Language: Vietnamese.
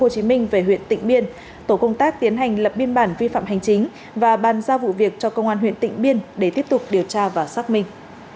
tịnh biên tổ công tác tiến hành lập biên bản vi phạm hành chính và bàn giao vụ việc cho công an huyện tịnh biên để tiếp tục điều tra và xác minh